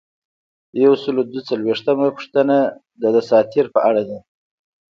یو سل او دوه څلویښتمه پوښتنه د دساتیر په اړه ده.